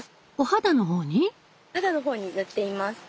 肌の方に塗っています。